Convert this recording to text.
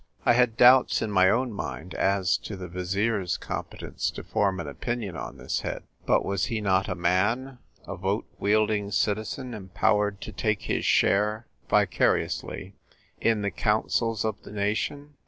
I had doubts in my own mind as to the Vizier's competence to form an opinion on this head ; but was he not a man — a vote wielding citizen, empowered to take his share (vicariously) in the counsels of the nation